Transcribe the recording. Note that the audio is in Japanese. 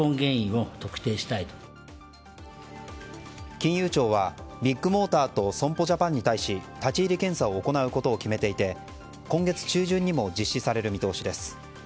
金融庁は、ビッグモーターと損保ジャパンに対し立ち入り検査を行うことを決めていて、今月中旬にも実施される見通しです。